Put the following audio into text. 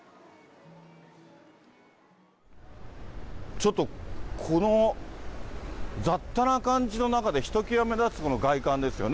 ちょっと、この雑多な感じの中で、ひときわ目立つ外観ですよね。